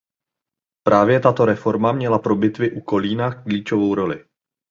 Právě tato reforma měla pro bitvy u Kolína klíčovou roli.